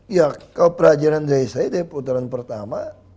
ya kalau pelajaran dari saya dari putaran pertama